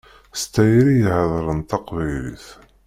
S tayri i heddṛent taqbaylit.